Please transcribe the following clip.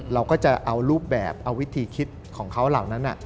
เราก็จะเอารูปแบบเอาวิธีคิดของเขาเหล่านั้น